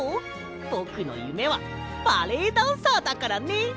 ぼくのゆめはバレエダンサーだからね！